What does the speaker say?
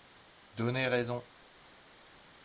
donné raison.